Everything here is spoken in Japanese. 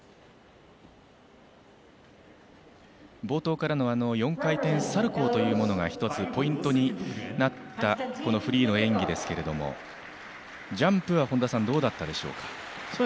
冒頭からの４回転サルコーが１つポイントになったこのフリーの演技ですがジャンプはどうだったでしょうか？